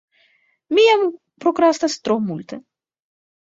Mi jam prokrastas tro multe